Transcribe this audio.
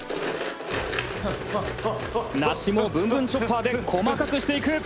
梨もぶんぶんチョッパーで細かくしていく